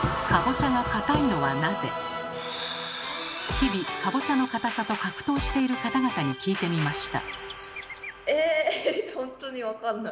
日々かぼちゃの硬さと格闘している方々に聞いてみました。